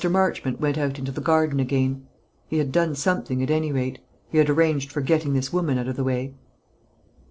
Marchmont went out into the garden again. He had done something, at any rate; he had arranged for getting this woman out of the way.